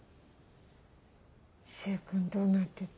柊君どうなってた？